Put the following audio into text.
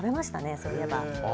そういえば。